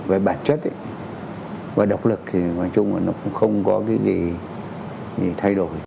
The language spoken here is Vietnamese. với bản chất và độc lực thì ngoài chung là nó cũng không có cái gì thay đổi